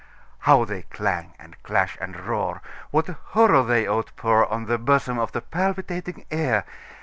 How they clang, and clash, and roar! What a horror they outpourOn the bosom of the palpitating air!